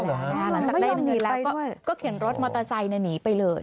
หลังจากได้เงินดีแล้วก็เข็นรถมอเตอร์ไซค์หนีไปเลย